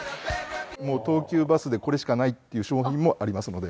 もう東急バスでこれしかないっていう商品もありますので。